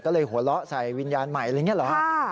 ก็เลยหัวเราะใสล์วิญญาณใหม่อะไรแบบนี้เหรอ